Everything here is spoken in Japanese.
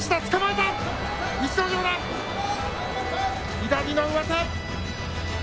左の上手。